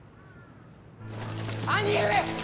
兄上！